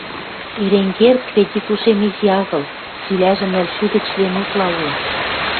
Эренгер кредит ушем изи агыл, цилӓжӹ нӹлшӱдӹ член утла улы.